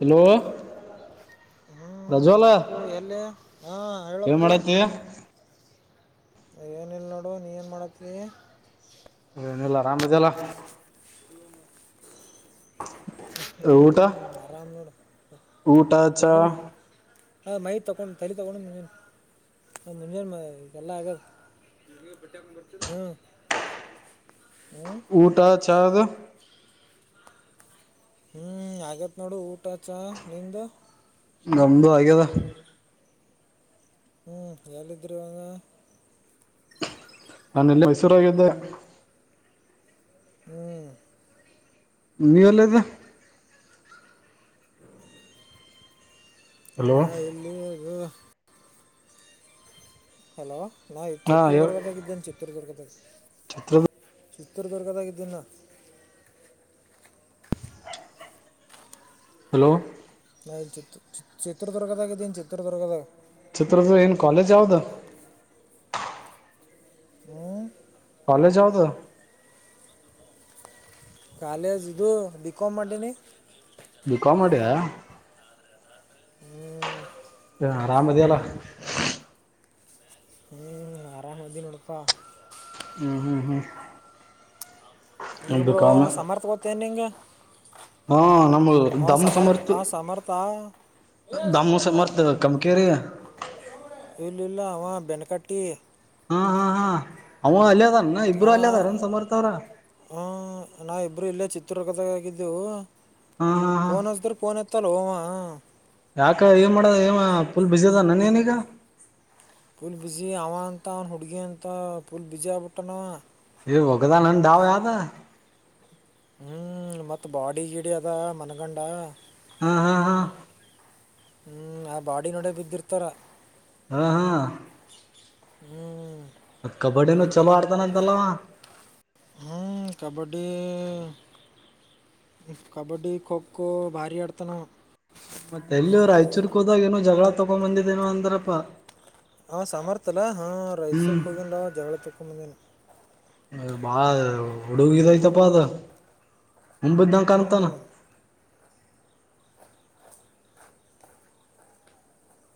Hello ಹ್ಮ್ ಪ್ರಜ್ವಲ ಅಪ್ಪು ಎಲ್ಲಿ ಹಾ ಏನ್ ಹೇಳಪ್ಪು ಮಾಡತಿ ಏನ ಇಲ್ಲ ನೋಡು ನೀ ಏನು ಮಾಡತ್ತೀ ಹ್ಮ್ ಆರಾಮ್ ಇದೆಯಲ್ಲ ಹ್ಮ ಊಟ ಹ್ಮ್ ಆರಾಮ ನರ ಊಟ ಚಾ ಹೋಗುದು ಹಾ ಮೈ ತೊಗೊಂಡು ತಳಿ ತೊಗೊಂಡು ನಿಂಜಾನನ್ ಅದು ನಿಂಜಾನನ್ ಇಗೆಲ್ಲ ಆಗದು ಹ್ಮ್ ಹ್ಮ ಊಟ ಚಾ ದ ಹ್ಮ್ ಆಗೇತ್ ನೋಡು ಊಟ ಚ ನಿಂದ ನಮ್ದುಆಗದ ಹ್ಮ್ ಎಲ್ಲ ಇದ್ರರುವಂಗ ನಾನ ಎಲ್ಲ ಮೈಸೂರಾಗಿದ್ದೆ ಹ್ಮ್ ನೀ ಒಲ್ಲದು ಹಲೋ ಏನಾ ಎಲ್ಲಿ ಇದು ಹಲೋ ನಾ ಹಾ ಚಿತ್ತೂರುದುರ್ಗದಾಗ ಇದಿದ್ದೇನೆ ಚಿತ್ತೂರುದುರ್ಗದಾಗ ತ್ರ ಸತ್ತರ್ ಬರ್ಗದಾಗಿದ್ದಿನ ಹಲೋ ನಾ ಚಿ ಚಿತ್ರದುರ್ಗದಾಗ ಇದ್ದನು ಚಿತ್ರದುರ್ಗದಾಗೆ ಚಿತ್ರರ್ದು ಏನ್ ಕಾಲೇಜ್ ಯಾವ್ದ ಹಾ ಕಾಲಜ ಹವುದು ಕಾಲ ಜ್ದು ಬಿಕೋಮ ಮಾಡ ನೀ ಬಿಕಾಂ ಮಾಡೆಯಾ ಹ್ಞೂ ಹ ಆರಾಮದಿಯಲ್ಲ ಹ್ಮ್ ಆರಾಮ್ ನಾವೆಲ್ದಿನಿ ನೋಡಪ್ಪ ಹ್ಮ್ ಹ್ಮ್ ಹ್ಮ್ ಬಿ ಇರ್ಬಿಡು ಕಾಮ್ ಸಮರ್ಥಗೊತೇನೆ ನಿಂಗೆ ಹಾ ನಮ್ಮ ಅವ ದಮ ಸಮರ್ಥ ಸಮಮರ್ತ್ತುು ಆ ಸಮರ್ಥ ದಾಮೂಸ ಮರ್ತ ಕಮಕರಿ ಇಲ ಇಲ್ಲ ಅವ ಬೆನಕಾಟ್ಟಿ ಹಾ ಹಾ ಹಾ ಅವ ಅಲ್ಯದನ ಇಬ್ಬರು ಅಲ್ ಅದಾರನ್ ಸಮರ್ಥವ್ರ ಹ ನಾವಿಬ್ರು ಇಲ್ಲೆ ಚಿತ್ತೂರ್ದಾಗ ಇದ್ದೇವು ಹಾ ಹಾ ಫೋನ್ ಹಚ್ಚಿದ್ರ್ ಫೋನ್ ಎತ್ ಎತ್ತಲೋ ಅವ. ಯಾಕ ಏನ್ ಮಾಡದ ಏವ ಫುಲ್ ಬಿಜಿ ಅದಾನ್ ಏನವ. ಫುಲ್ ಬಿಜಿ, ಅವಂತ ಅವ್ನ ಹುಡ್ಗಿ ಅಂತ ಪೂಲ್ ಬಿಜಿ ಆಗ್ಬಿಟ್ಟಾನವ. ಎ ವಗ್ದಾನ್ ಅಂತ ಯಾವ್ದಾ. ಹ್ಮ್ ಮತ್ ಬಾಡಿ ಗಿಡಿ ಆದ ಮನ್ಗಂಡ. ಹಾ ಹಾ ಹಾ ಹ್ಮ್ ಆ ಬಾಡಿ ನೋಡೆ ಬಿದ್ದಿರ್ತಾರ. ಹಾ ಹಾ ಹ್ಮ್ ಮತ್ ಕಬಡ್ಡಿನೂ ಚಲೋ ಆಡ್ತಾನಂತಲವ. ಹ್ಮ ಕಬಡ್ಡಿ. ಕಬಡ್ಡಿ ಖೋ ಖೋ ಭಾರಿ ಆಡ್ತಾನವ. ಮತ್ತೆ ಎಲ್ಲಿ ಅವ್ರು ಆಯಚೂರ್ಕ ಹೋದಾಗ ಏನೋ ಜಗಳ ತೊಗೊಂಡ್ ಬಂದಿದ್ದೇನೋ ಅಂದ್ರಪ್ಪಾ ಹಾಂ ಸಾಮರ್ಥ್ಯಲ್ಲ ಹಾಂ ಹ್ಮ್ ರಾಯಸೂರ್ಗೆ ಹೋಗಿಿಲ್ಲ ಜಗಳ ಚೌಕ ಮಂದ ಬಾಳ ಹುಡುಗಿದಯ್ತಪ್ಪ ಅದ ಮುಂಬಿದ ನಂ ಹ್ಞೂ ಕಾಣಂತಾನ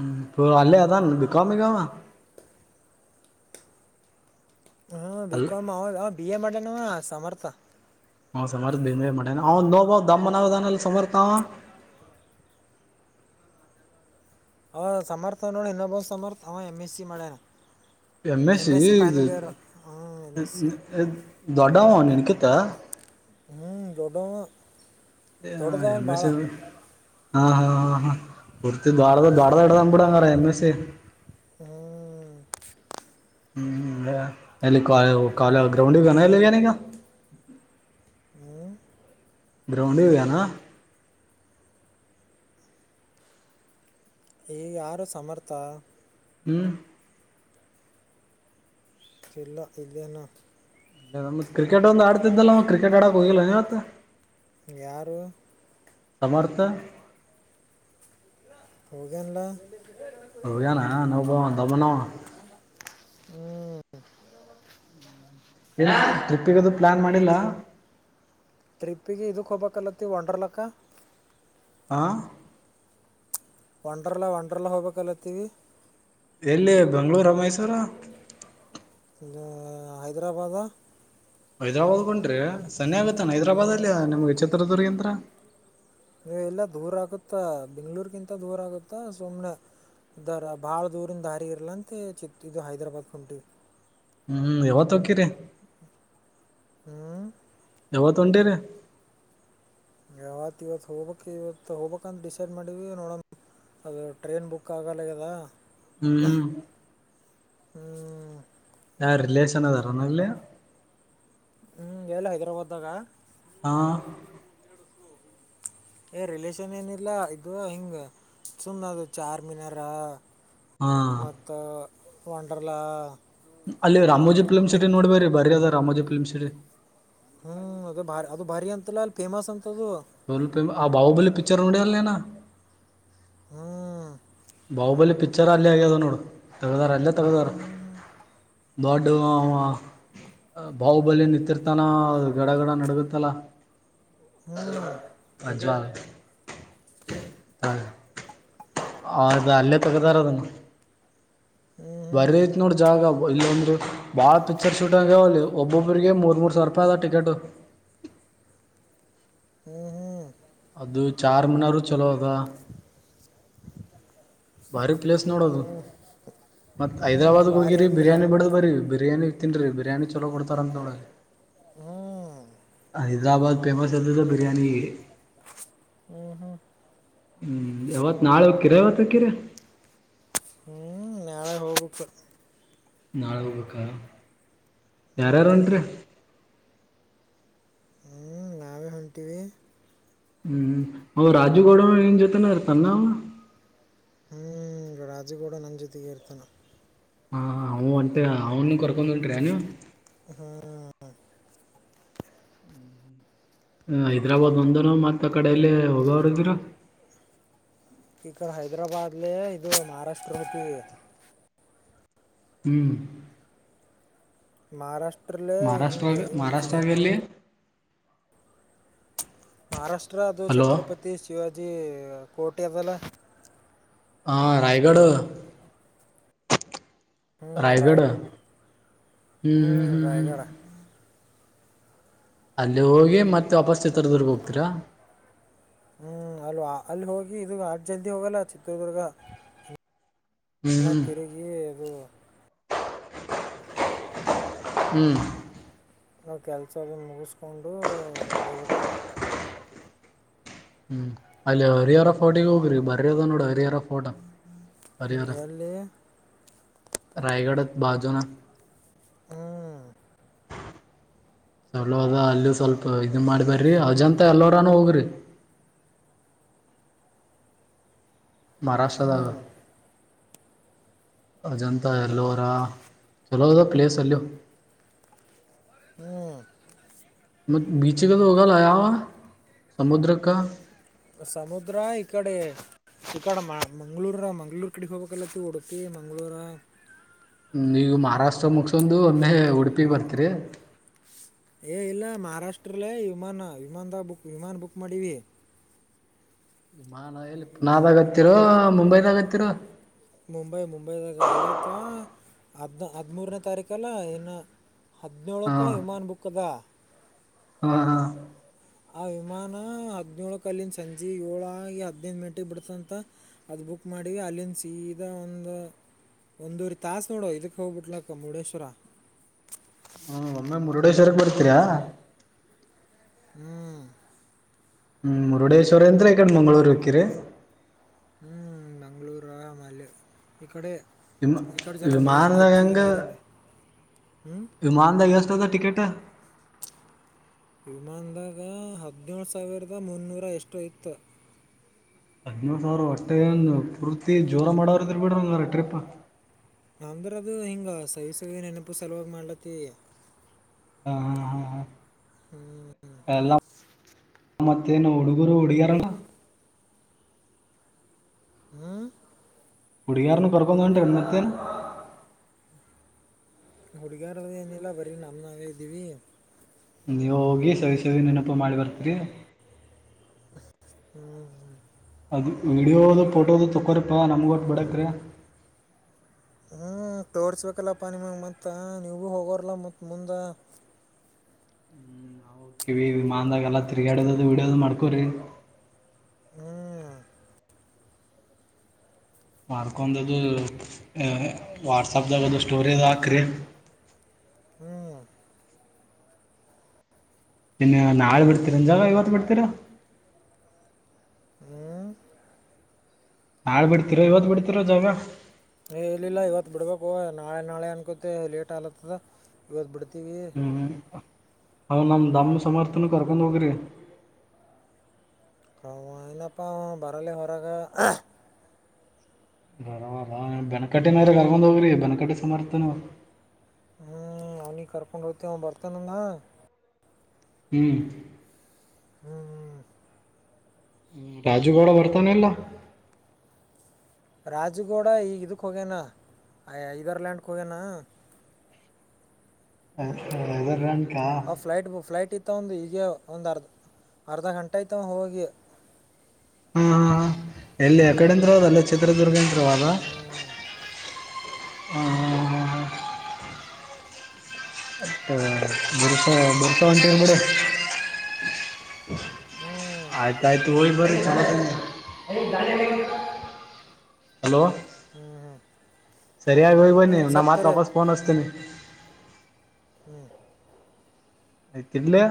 ಹ್ಮ್ ಪೂ ಅಲ್ಲಿೇ ಅದನ್ ಬಿಕ ಬಿಕಾಮಾ ಹ್ಞೂ ಅಲ್ಲ ಬಿಕಾಂ [unintelligible] ಬಿಎ ಮಾಡ್ಯಾನ್ ಅವ ಸಮರ್ಥ. ಅವ ಸಮರ್ಥ [unintelligible] ಮಾಡ್ಯಾನ್, ಅವ ಇನ್ನೊಬ್ಬ ದಮ್ಮನವ್ ಅದಾನಲ ಸಮರ್ಥ ಅವ. ಹಾ ಸಮರ್ಥ ಅನ್ನವ್ ಇನ್ನೊಬ್ಬ ಸಮರ್ಥ ಅವ ಎಂಎಸ್ಸಿ ಮಾಡ್ಯಾನ್. M S MSc final year ಹ ಎಂಎಸ್ಸಿ. ದೊಡ್ಡವವ ನಿನ್ಕಿತ. ಹ್ಞ ದೊಡ್ಡವ್. ಏ ಹಾ [unintelligible] ಹಾ ಹಾ ಹಾ ಹಾ ಪೂರ್ತಿ ದ್ವಾಡದ ದ್ವಾಡದ ಇಡದನ ಬಿಡು ಎಂಎಸ್ಸಿ. ಹ್ಮ್ ಹ್ಮ್ ಲೆ, ಎಲ್ಲಿ ಹ್ಞೂ [unintelligible] ಗ್ರೌಂಡಿಗ್ ಹೊಗ್ಯಾನೆನ್ ಎಲ್ಲಿ ಹೊಗ್ಯಾನಿಗ. ಹ್ಮ ಗ್ರೌಂಡಿಗೋಗ್ಯಾನ. ಎ ಯಾರೋ ಸಮರ್ಥ. ಹ್ಮ್ [unintelligible] ಇಲ್ಲ ಇದೇನಾ ಕ್ರಿಕೆಟ್ ಒಂದ್ ಆಡ್ತಿದ್ನಲವ ಕ್ರಿಕೆಟ್ ಆಡಕ್ ಹೋಗಿಲ್ಲೆನ್ ಇವತ್. ಯಾರು. ಸಮರ್ಥ. ಹೋಗ್ಯಾನ್ಲ. [inaudible] ಹೋಗ್ಯಾನ ಇನ್ನೊಬ್ಬ ದಮ್ಮನವ. ಹ್ಮ್ ಏನು ಟ್ರಿಪ್ಪಿಗದು ಪ್ಲಾನ್ ಮಾಡಿಲ್ಲ. ಟ್ರಿಪ್ಪಿಗಿ ಇದಕ್ ಹೋಗ್ಬೇಕ್ ಅಲ್ಲತೀವ್ ವಂಡರ್ಲಾಕ್. ಹಾ ವಂಡರ್ಲಾ ವಂಡರ್ಲಾ ಹೋಗಬೇಕಲತ್ತೀವಿ. ಎಲ್ಲಿ ಬೆಂಗ್ಳೂರೋ ಮೈಸೂರೋ. ಇದ ಹೈದರಾಬಾದಾ. ಹೈದರಾಬಾದಕ್ ಹೊಂಟೀರ ಸನೆಯಾಗುತ್ತೇನ್ ಹ್ಞೂ ಹೈದರಾಬಾದ್ ಅಲ್ಲಿ ನಿಮಗ್ ಚಿತ್ರದುರ್ಗಿಂತ್ರ. ಎ ಇಲ್ಲ ದೂರಾಗುತ್ತಾ ಬೆಂಗ್ಳೂರ್ಗಿಂತ ದೂರಾಗುತ್ತಾ ಸುಮ್ನೆ. ಇದರ ಬಾಳ ದೂರಿಂದಾರಿ ಇರ್ಲಾಂತ್ ಚಿತ್ ಇದು ಹೈದರಾಬಾದ್ಕೊಂಟೀವ್. ಹ್ಮ್ ಯಾವತ್ತು ಹೊಕ್ಕಿರಿ. ಹ್ಮ್ ಯಾವತ್ತೊಂಟಿರಿ. ಯಾವತ್ ಇವತ್ತು ಹೋಗ ಬೇಕು ಇವತ್ತು ಹೋಗಬೇಕಂತ ಡಿಸೈಡ್ ಮಾಡಿವ ನೋಡಣ ಅದು ಟ್ರೈನ್ ಬುಕ್ ಆಗಲ್ಲಗದಾ ಹ್ಮ್ ಹ್ಞೂ ಯಾರ ರಿಲೇಷನ್ ಅದಾರನಲ್ಲಿ ಹ್ಮ್ ಎಲ್ಲ ಹೈದರಾಬಾದ ನಾಗ ಹಾ ಏ ರಿಲೇಶನ್ ಏನಿಲ್ಲ ಇದು ಹಿಂಗ ಸುಮ್ ಅದು ಚಾರ ಮೀನಾರ ಹಾ ಮತ್ತು ವೆಂಡರಲಾ ಅಲ್ಲಿ ರಾಮಜಿ ಪೀಲ್ಮ್ ಸಿಟ ನೋಡ್ಬಿರಿ ಬರಿ ಅದ ರಾಮೋಜಿಫಿಮ್ ಸಿಟಿ ಹ್ಮ್ ಅದು ಬ ಅದು ಭಾರಿ ಅಂತಲ್ಲ ಅಲ್ಲಿ ಫೇಮಸ್ ಅಂತದು ಸೋಲ್ಪ ಆ ಬಾಹಬಲಿ ಪಿಕ್ಚರ್ ನುಡಿಯಲ್ ಹಾಂ ಬಾಹುಬಲಿ ಪಿಕ್ಚರ್ ಅಲ್ಲೇ ಆಗ್ಯದ ನೋಡು ತಗದಾರ ಅಲ್ಲೇ ಹ್ಞೂ ತಗದಾರ. ಹ್ಞೂ [unintelligible] ಅವ. ಬಾಹುಬಲಿ ನಿಂತಿರ್ತಾನ ಗಡ ಗಡ ನಡಗತ್ತಲ. ಹ್ಞೂ [unintelligible] ಸ ಹೌದು ಅಲ್ಲೇ ತಗದಾರ ಅದನ್ನು ಹ್ಞೂ ಬರ ಐತ್ ನೋಡ್ರ ಜಾಗ ಇಲ್ಲೊಂದ್ರರು ಬಾಳ ಪಿಕ್ಚರ್ ಶೂಟ್ ಆಂಗ್ಯಾವಲ್ಲಿ ಒಬ್ಬೊಬರಿಗೆ ಮೂರ್ ಸಾವಿರ ರೂಪಾಯಿದ ಟಿಕೆಟ್ ಹಾ ಹಾ ಅದು ಚಾರ್ ಮನವರು ಚಲೋ ಅದ ಬಾರಿ ಪ್ಲೇಸ್ ನೋಡೋದು ಮತ್ತ ಹ್ಞೂ ಹ್ಞೂ ಹೈದ್ರಾಬಾದ್ ಭಾರಿ ಹೋಗಿರಿ ಅಂದ್ರೆ ಬಿರಿಯಾನಿ ಹೋಡದ್ದು ಬರ ಬಿರಿಯಾನಿ ತಿನರಿ ಬಿರಿಯಾನಿ ಚಲೋ ಕೊಡ್ತಾರ ಅಂತ ಹೇಳಿ ಹ್ಞೂ ಹೈದ್ರಾಬಾದ್ ಪೇಮಸ್ ಇದು ಬಿರಯಾನ ಹಾ ಹಾ [unintelligible] ಹ್ಮ್ ಯಾವತ್ ನಾಳೆ ಹೋಗಿಕಿರ ಇವತ್ತು ಹೋಗಕಿರ ಹ್ಮ್ ನಾಳೆ ಹೋಗು ನಾಳೆ ಹೋಗ್ಬೇಕ ಹ್ಞೂ ಯಾರ ಯಾರ್ ಹೊಂಟರಿ ಟಿವ [inaudible] ಹ್ಮ್ ಮ ರಾಜುಗೌಡ ಏನ್ ಜೊತೆನ ತನ್ನ ಇ ರಾಜು ಗೌಡ್ ನಾನ್ ಜೊತೆಗೆ ಇರ್ತಾನೆ ಹಾ ಅವನ ಅಂತ ಅವನು ಕೊರಕೊಂಡ ಹೊಂಟರಿ ಎನ್ ಹಾ ಹೈದ್ರಾಬಾದ್ ಒಂದನು ಮತ್ತ ಆ ಕಡೆಯಲ್ಲಿ ಹೋಗವರು ಇದೀರು ಈಕರ್ ಹೈದ್ರಾಬಾದ್ಲೆ ಇದು ಮಹಾರಾಷ್ಟ್ರ ಹೋಗ್ತೀವಿ ಹ್ಮ್ ಮಹಾರಾಷ್ಟ್ರಲ್ಲೇ ಮಹಾರಾಷ್ಟ್ರಾಗ ಹಿಂಗೆ ಹಿಂಗ ಮಹಾರಾಷ್ಟ್ರಾಗ ಎಲ್ಲಿ ಮಹಾರಾಷ್ಟ್ರ ಅದು ಹಲೋ ಛತ್ರಪತಿ ಶಿವಾಜಿ ಕೋಟೆ ಅದಲ್ಲ ಹಾ ರಾಯಗಡ ಹ್ಞೂ ರಾಯಗಡ ರಾಯ್ ಹ್ಮ್ ಹ್ಞೂ ಹ್ಮ್ ಹ್ಮ್ ಹ್ಮ ರಾಯಗಢ ಅಲ್ಲಿ ಹೋಗಿ ಮತ್ತೆ ವಾಪಸ್ ಚಿತ್ರದುರ್ಗ ಹೋಗ್ತೀರಾ ಹ್ಮ್ ಅಲ್ವಾ ಅಲ್ಲಿ ಹೋಗಿ ಇದು ಅಷ್ಟು ಜಲ್ದಿ ಹೋಗಲ್ಲ ಚಿತ್ರದುರ್ಗ ಹ್ಮ್ ಎಲ್ಲ ಹ್ಮ್ ತಿರುಗಿ ಅದು ಹ್ಮ್ ನಾವು ಕೆಲಸನ್ನ ಮುಗಿಸ್ಕೊಂಡು ಹೋಗ್ಬೇಕು ಹ್ಮ್ ಅಲ್ಲರಿರ ಫೋಟಿಗೆ ಹೋಗ್ರಿ ಬರಿಯದ ನೋಡಿ ಹರಿಹರ ಫೋಟ ಹ್ಞೂ ಹರಿಹಾರ ಎಲ್ಲಿ ರಾಯಗಡತ್ ಬಾಜುನಾ ಹಾ ಸವಲ ಅದ ಅಲ್ಲ ಸ್ವಲ್ಪ ಇದನ್ನ ಮಾಡಿಬಾರ್ರಿ ಅಜಂತ ಎಲ್ಲರನುೂ ಹೋಗ್ರಿ ಹ್ಞೂ ಮಹಾರಾಷ್ಟ್ರದಾಗ ಅಜಂತ ಎಲ್ಲರ ಚಲೋ ಅದ ಪ್ಲೇಸ್ ಅಲ್ಲಿ ಹ್ಞ ಮ ಬಿಚಗ ಹೋಗ ಲಯಾವ ಸಮುದ್ರ ಕ ಸಮುದ್ರ ಇ ಕಡೆ ಚ ಕಾ ಮ ಮಂಗ್ಗಳೂರ ಮಂಗ್ಳೂರು ಕಡಿಗೆ ಹೋಗಬೇಕಲ್ಲತ್ತ ಓಡುತ್ತೀ ಮಂಗಳೂರ ಈಗವು ಮಾರಾಷ್ಟ್ರ ಮುಗಸೊಂಡಂದು ಒಮ್ಮೆ ಉಡುಪಿಗೆ ಬರ್ತೀರಿ ಏ ಇಲ್ಲ ಮಹಾರಾಷ್ಟ್ರಲ್ಲೇ ವಿಮಾನ ವಿಮಾನದ ಬುಕ್ ವಿಮಾನ ಬುಕ್ ಮಾಡೀ ಇಲ್ಲಿ ಮಾ ನ ಎಲ್ಲಿ ಪುನಾದಾಗತ್ತಿರೋ ಮುಂಬೈದಾಗತ್ತರೋ ಮುಂಬೈ ಮುಂಬೈದಾಗ ಐವತ್ತ ಹದನ ಹದಿಮೂರನೇ ತಾರೀಕಲ್ಲ ಇನ್ನು ಹಾ ಹದಿನೇಳಕ್ಕೆ ವಿಮಾನ್ ಬುಕ್ ಅದಾ ಹ್ಮ ಆ ವಿಮಾನ ಹದ್ನೇಳ ಕಲ್ಲಿಂದ ಸಂಜೆ ಏಳಾಗಿ ಹದದು್ ಮಿಂಟಿಗೆ ಬಿಡ್ತಂತ ಅದು ಬುಕ್ ಮಾಡೀ ಅಲ್ಲಿಂದ ಸೀದಾ ಒಂದು ಒಂದೂರಿ ತಾಸಸ್ ನೋಡೋ ಇದಕ್ಕೆ ಹೋಗ್ಬಿಟ್ಲಕ್ಕ ಮುರುಡೇಶ್ವರ ಹ್ಮ ಒಮ್ಮೆ ಮುರುಡೇಶ್ವರಕ್ಕೆ ಬರ್ತೀರಾ ಹ್ಮ್ ಹ್ಞೂ ಮುರುಡೇಶ್ವರಿ ಅಂತ್ರಕಂಡು ಮಂಗಳೂರು ಹಕ್ಕಿರಿ ಹ್ಮ್ ಬೆಂಗ್ಳೂರು ಮಲ್ಲಿೆ ಇಕಡೆ ವಿಮಾ ವಿಮನದಹೇಗ ಹ್ಞೂ ವಿಮಾನದಾರಿಗಸ್ತದ ಟಿಕಟ ವಿಮಾನದಾಗ ಹದಿನೇಳು ಸಾವಿರದ ಮುನ್ನೂರ ಎಷ್ಟು ಇತ್ತು ಹದ್ನೂರು ಸಾವಿರ ಅಷ್ಟೇ ಏಂದು ಪೂರ್ತಿ ಜೋರ ಮಾಡೋರ ಇದರ್ ಬಿಡ್ರಿ ಒಂಗಾರ ಟ್ರಿಪ್ ನಮ್ದ್ರ ಅದು ಹಿಂಗ ಸವಿ ಸವಿ ನೆನಪು ಸಲುವಾಗಿ ಮಾಡ್ಲತ್ತ ಹಾ ಹಾ ಹಾ ಎಲ್ಲ ಮತ್ತೇನ್ ಹುಡುಗರು ಹುಡುಗಾರಣ್ಣ ಹ್ಞೂ ಕುಡಗಾರನ್ನು ಕು ಕೊಡಂದೋ ಎಣ್ಣತೇನೆ ಹುಡ್ಗರದ ಏನಿಲ್ಲ ಬರೀ ನಮನಾಗ ಇದೀವಿ ನೀವು ಹೋಗಿ ಸವಿ ಸವಿ ನೆನಪ ಮಾಡಿ ಬರ್ತೀರಿ ಹ್ಮ ಅದು ವಿಡಿಯೋದು ಫೋಟೋ ಅದು ತೊಗೋರಿಪ್ಪಾ ನಮ್ಗೆ ಹೊಟ್ಟು ಬಡಕ ರೀ ಹ್ಮ್ ತೋರ್ಸ್ಬೇಕಲ್ಲ ಪಾನಿ ಮಾಗ ಮತ್ತ ನೀವಗೂ ಹೋಗೋರ್ಲ್ಲ ಮತ್ ಮುಂದ ಹ್ಮ್ ನಾವು ಕಿವಿ ಮಾಂದಾಗಲ್ಲ ತಿರ್ಗಾಡದದು ಹಡ್ಯದು್ ಮಾಡ್ಕೋ್ರಿ ಹ್ಮ್ ಮಾರ್ಡದು ವಾಟ್ಸಪ್ಗ ಅದು ಸ್ಟೋರದು್ ಹಾಕ್ರಿ ಹ್ಞೂ ನಿನ್ನ ನಾಳೆ ಬಿಡ್ತೀರಂ ಜಾಗ ಇವತ್ತು ಬಿಡ್ತೀರಾ ಹ್ಞೂ ನಾಳ ಬಿಡ್ತಿರ ಇವತ್ತು ಬಿಡ್ತಿರೋ ಜಾವ ಏ ಇಲ್ಲಿಲ್ಲ ಇವತ್ ಬಿಡ್ಬೇಕು ನಾಳೆ ನಾಳೆ ಅನ್ಕತ್ತ ಲೇಟ್ ಆಗ್ಲತ್ತದ ಇವತ್ತು ಬಿಡ್ತೀವಿ ಹ್ಮ್ ಅವ ನಮ್ಮ ಹ್ಞೂ ದಮ್ಮ ಸಮರ್ಥನ ಕರ್ಕೊಂಡ್ ಹೋಗ್ರಿ ಅವ ಏನಪ್ಪಾ ಬರಲ್ಲ ವರ್ಗ ಬವ ಬೆನಕಟ್ಟಿನ್ರ ಕರ್ಗೊಂಡ್ ಹೋಗ್ರಿ ಬೆನಕಟ್ಟಿ ಸಮರ್ಥನ ಹ್ಞೂ ಅವನಿಗೆ ಕರ್ಕೊಂಡು ಹೋಗ್ವ ಬರ್ತೇನಂದು ಹ್ಮ್ ಹ್ಮ್ ರಾಜು ಬೌಡ ಬರ್ತಾನೆಲ್ಲ ರಾಜಗೌಡ ಈಗ ಇದಕ್ಕೆ ಹೋಗ್ಯನಾ ಇದದರ್ಲ್ಯಾಂಡ್ಗೆ ಹೋಗ್ಯನಾ ಇದರ ಲ್ಯಾಂಡ್ ಗ ಆ ಫ್ಲಟ್ ಬ ಫ್ಲಟ್ ಇತ್ತು ಒಂದು ಈಗ ಒಂದು ಅರ್ಧ ಅರ್ಧ ಗಂಟೆ ಆತ ಹೋಗಿ ಹಾ ಹಾಂ ಎಲ್ಲಿ ಯ ಕಡೆಂದರು ಅದ ಅಲ್ಲ ಚಿತ್ರದುರ್ಗಂದರು ಅದ ಹ್ಞೂ ಹಾ ಹಾ ಹಾ ಹ ಬರ್ಸ ಬರ್ಸ ಒಂಟ ಬುಡೆ ಹ್ಮ ಆಯ್ತ ಆಯ್ತು ಹೋಗಿದ್ ಬರ್ರಿ ಬರಿ ಚ ಹಲೋ ಸರಿಯಾಗಿ ಹೋಗ್ ಹ್ಞೂ ಬನ್ನಿವು ನಮ್ಮ ಸರಿ ಮಾ ಸರಿ ವಾಪಸ್ ಪೂನ್ ಹಿಸತೀನಿ ಹ್ಮ್ ಇದ್ರೆ